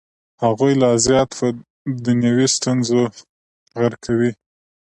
هغوی لا زیات په دنیوي ستونزو غرقوي.